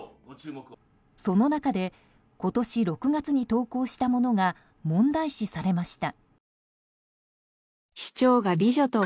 その中で今年６月に投稿したものが問題視されました。